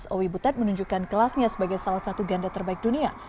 owi butet menunjukkan kelasnya sebagai salah satu ganda terbaik dunia